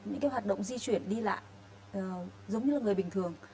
những hoạt động di chuyển đi lại giống như người bình thường